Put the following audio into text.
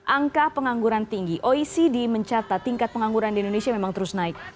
angka pengangguran tinggi oecd mencatat tingkat pengangguran di indonesia memang terus naik